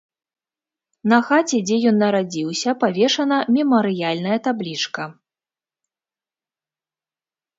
На хаце, дзе ён нарадзіўся, павешана мемарыяльная таблічка.